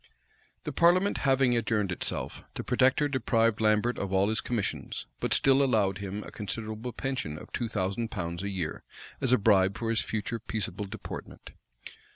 The parliament having adjourned itself, the protector deprived Lambert of all his commissions; but still allowed him a considerable pension of two thousand pounds a year, as a bribe for his future peaceable deportment.